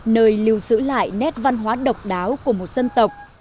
nơi lưu giữ lại nét văn hóa độc đáo của một dân tộc